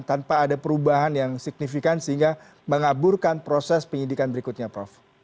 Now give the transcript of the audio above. tanpa ada perubahan yang signifikan sehingga mengaburkan proses penyidikan berikutnya prof